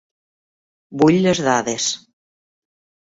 Vull les dades.